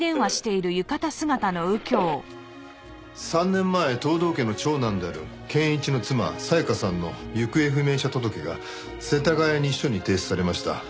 ３年前東堂家の長男である憲一の妻沙耶香さんの行方不明者届が世田谷西署に提出されました。